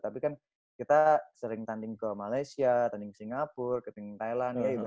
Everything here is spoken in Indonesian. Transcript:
tapi kan kita sering tanding ke malaysia tanding singapura tanding thailand ya gitu